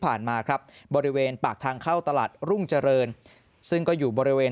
มาครับบริเวณปากทางเข้าตลาดรุ่งเจริญซึ่งก็อยู่บริเวณ